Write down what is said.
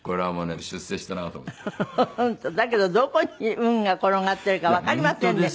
だけどどこに運が転がっているかわかりませんね。